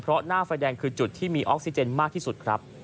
เพราะหน้าไฟแดงคือจุดที่มีออกซิเจนมากที่สุดครับ